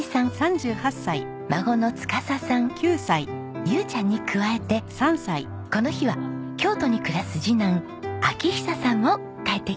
孫の司さん結ちゃんに加えてこの日は京都に暮らす次男晃久さんも帰ってきました。